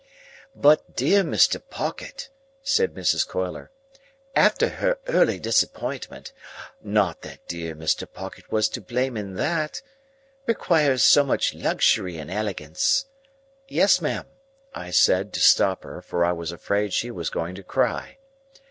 "But dear Mrs. Pocket," said Mrs. Coiler, "after her early disappointment (not that dear Mr. Pocket was to blame in that), requires so much luxury and elegance—" "Yes, ma'am," I said, to stop her, for I was afraid she was going to cry.